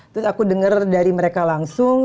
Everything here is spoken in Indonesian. terus aku dengar dari mereka langsung